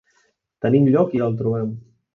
Tenim lloc i el trobem.